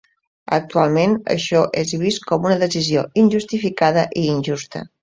Actualment, això és vist com una decisió injustificada i injusta.